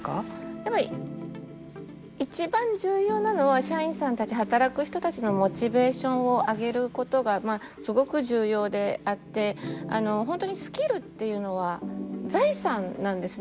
やっぱりいちばん重要なのは社員さんたち働く人たちのモチベーションを上げることがすごく重要であって本当にスキルというのは財産なんですね。